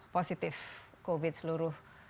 positif covid seluruh